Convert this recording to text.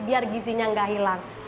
biar gizinya enggak hilang